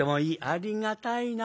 ありがたいな。